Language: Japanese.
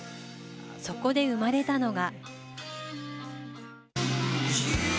そこで生まれたのが。